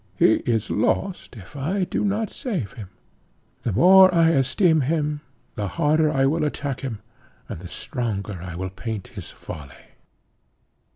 He is lost if I do not save him. The more I esteem him, the harder I will attack him, and the stronger I will paint his folly."